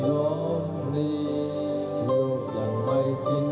นายยกรัฐมนตรีพบกับทัพนักกีฬาที่กลับมาจากโอลิมปิก๒๐๑๖